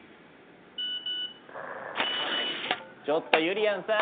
ちょっとゆりやんさん！